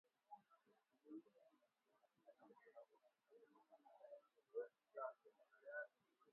Ripoti hiyo haikutoa sababu ya Iran kusitisha kwa muda mazungumzo.